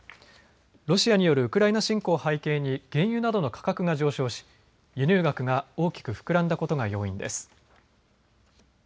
ロシアによるウクライナ侵攻を背景に原油などの価格が上昇し輸入額が大きく膨らんだことが要因です。